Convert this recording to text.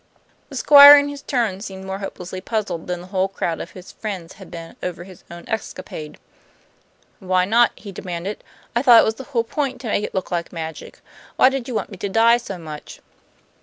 The Squire in his turn seemed more hopelessly puzzled than the whole crowd of his friends had been over his own escapade. "Why not?" he demanded. "I thought it was the whole point to make it look like magic. Why did you want me to die so much?"